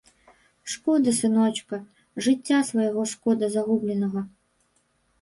Шкода сыночка, жыцця свайго шкода загубленага.